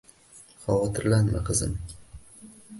Xavotirlanma, qizim